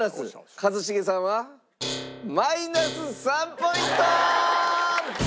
一茂さんはマイナス３ポイント！